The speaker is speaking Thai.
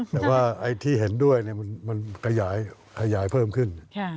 แต่ว่าไอ้ที่เห็นด้วยมันขยายเพิ่มขึ้น